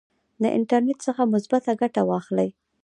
د انټرنیټ څخه مثبته ګټه واخلئ.